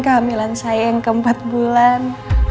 kehamilan saya yang keempat bulan